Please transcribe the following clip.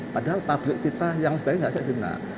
padahal pabrik kita yang sebagainya tidak seharusnya